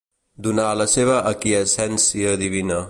Donà la seva aquiescència divina.